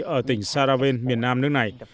ở tỉnh sarawen miền nam nước này